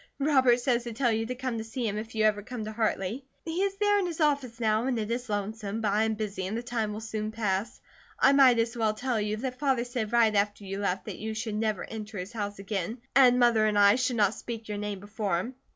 Robert says to tell you to come to see him if you ever come to Hartley. He is there in his office now and it is lonesome, but I am busy and the time will soon pass. I might as well tell you that Father said right after you left that you should never enter his house again, and Mother and I should not speak your name before him.